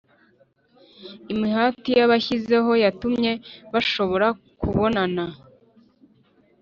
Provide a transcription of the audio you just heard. Imihati bashyizeho yatumye bashobora kubonana.